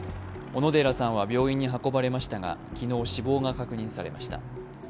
小野寺さんは病院に運ばれましたが昨日、死亡が確認されました。